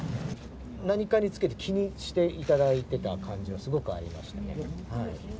何かにつけて気にしていただいてた感じはすごくありましたね。